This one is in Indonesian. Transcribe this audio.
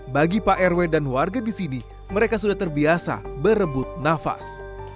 bagi pak rw dan warga di sini mereka sudah terbiasa berebut nafas